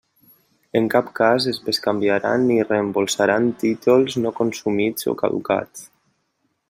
En cap cas es bescanviaran ni reemborsaran títols no consumits o caducats.